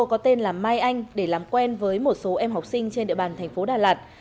có tên là my anh để làm quen với một số em học sinh trên địa bàn tp đà lạt